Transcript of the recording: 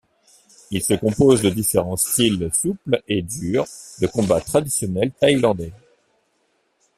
Il se compose de différents styles souples et durs de combat traditionnels thaïlandais.